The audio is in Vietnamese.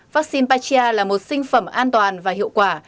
vaccine patria là một sinh phẩm an toàn và hiệu quả